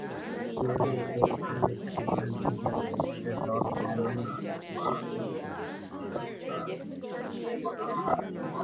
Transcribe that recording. They also have two elder sisters, Lori and Lee.